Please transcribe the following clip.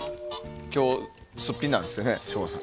今日、すっぴんなんですって省吾さん。